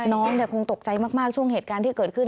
น้องคงตกใจมากช่วงเหตุการณ์ที่เกิดขึ้น